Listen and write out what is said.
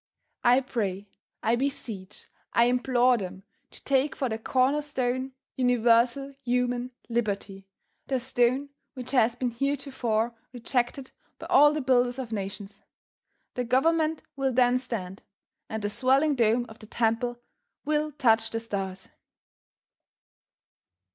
I pray, I beseech, I implore them to take for the corner stone, Universal Human Liberty the stone which has been heretofore rejected by all the builders of nations. The Government will then stand, and the swelling dome of the temple will touch the stars.